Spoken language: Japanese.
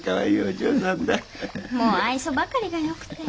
もう愛想ばかりがよくて。